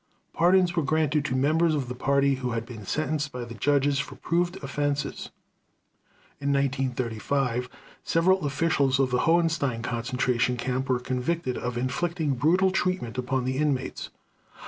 Pardons were granted to members of the Party who had been sentenced by the judges for proved offenses. In 1935 several officials of the Hohenstein concentration camp were convicted of inflicting brutal treatment upon the inmates.